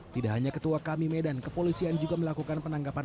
tidak hanya ketua kami medan kepolisian juga melakukan penangkapan